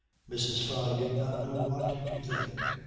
Mrs. Fyne didn't know what to think.